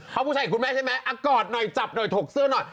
เพราะผู้ชายกับคุณแม่ใช่ไหมกอดหน่อยจับหน่อยถกเสื้อหน่อย